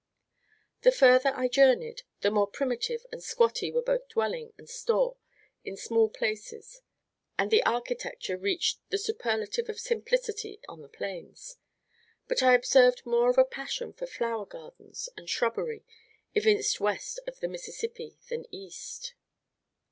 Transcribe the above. The further I journeyed, the more primitive and squatty were both dwelling and store in small places, and the architecture reached the superlative of simplicity on the plains; but I observed more of a passion for flower gardens and shrubbery evinced west of the Mississippi than east.